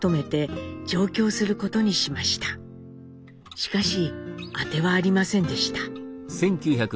しかし当てはありませんでした。